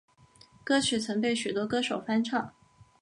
歌曲曾被许多歌手翻唱。